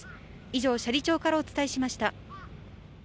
以上、斜里町からお伝えしました。